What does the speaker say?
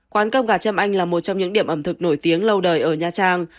quán cơm gà châm anh là một trong những điểm ẩm thực nổi tiếng lâu đời ở nha trang